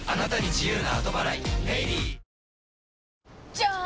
じゃーん！